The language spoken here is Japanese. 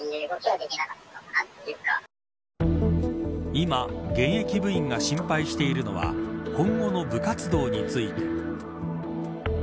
今、現役部員が心配しているのは今後の部活動について。